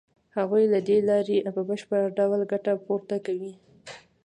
هغوی له دې لارې په بشپړ ډول ګټه پورته کوي